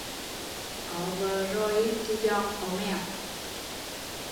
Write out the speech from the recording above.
Có vợ rồi thì dòn có mèo